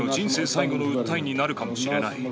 最後の訴えになるかもしれない。